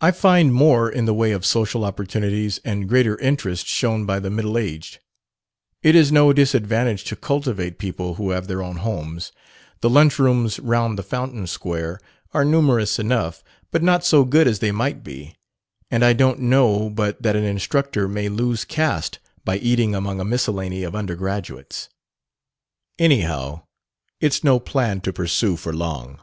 I find more in the way of social opportunities and greater interest shown by the middle aged. It is no disadvantage to cultivate people who have their own homes; the lunch rooms round the fountain square are numerous enough, but not so good as they might be. And I don't know but that an instructor may lose caste by eating among a miscellany of undergraduates. Anyhow, it's no plan to pursue for long."